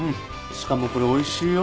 しかもこれおいしいよ。